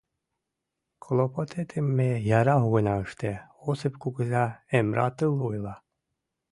Клопотетым ме яра огына ыште, — Осып кугыза эмратыл ойла.